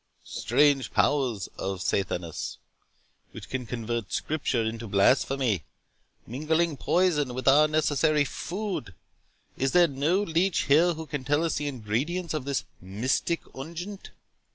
"Strange powers of Sathanas." said he, "which can convert Scripture into blasphemy, mingling poison with our necessary food!—Is there no leech here who can tell us the ingredients of this mystic unguent?"